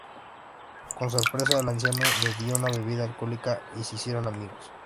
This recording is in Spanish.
Con sorpresa, el anciano le dio una bebida alcohólica y se hicieron amigos.